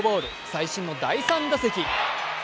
最新の第３打席。